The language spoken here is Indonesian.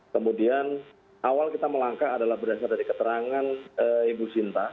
kemudian awal kita melangkah adalah berdasarkan dari keterangan ibu sinta